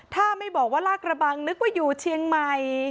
ถ้าไม่บอกว่าลากระบังนึกว่าอยู่เชียงใหม่